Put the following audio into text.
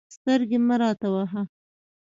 سترګې مه راته وهه.